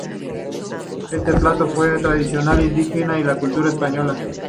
Este plato funde la tradición indígena y la cultura española.